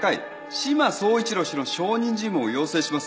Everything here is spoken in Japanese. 志摩総一郎氏の証人尋問を要請します